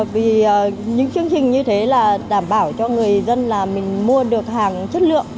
vì những chương trình như thế là đảm bảo cho người dân là mình mua được hàng chất lượng